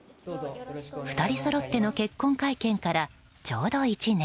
２人そろっての結婚会見からちょうど１年。